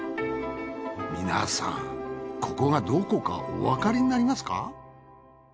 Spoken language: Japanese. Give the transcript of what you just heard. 皆さんここがどこかおわかりになりますか？